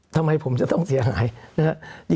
ทำไมผมจะต้องเสียหาย